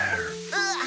うわっ！